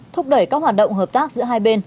thúc đẩy các hoạt động hợp tác giữa hai bên